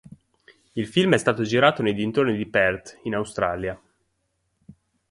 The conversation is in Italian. Il film è stato girato nei dintorni di Perth in Australia.